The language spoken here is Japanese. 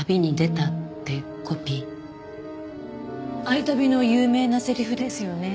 『愛旅』の有名なセリフですよね。